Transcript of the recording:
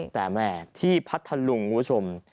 แต่แม่ที่พัทธลุงคุณผู้ชม